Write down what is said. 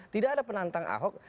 tidak ada penantang ahok